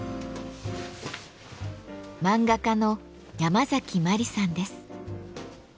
漫画家のヤマザキマリさんです。